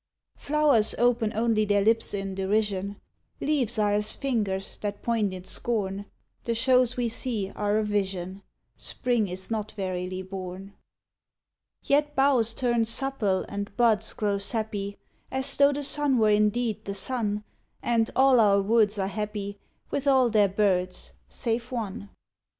Flowers open only their lips in derision, Leaves are as fingers that point in scorn The shows we see are a vision; Spring is not verily born. Yet boughs turn supple and buds grow sappy, As though the sun were indeed the sun: And all our woods are happy With all their birds save one.